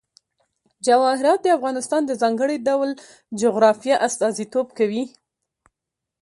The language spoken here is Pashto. جواهرات د افغانستان د ځانګړي ډول جغرافیه استازیتوب کوي.